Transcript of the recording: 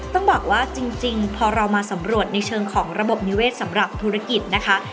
ต้องบอกว่าจริงพอเรามาสำรวจในเชิงของระบบนิเวศสำหรับธุรกิจนะคะ